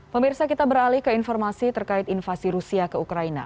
pemirsa kita beralih ke informasi terkait invasi rusia ke ukraina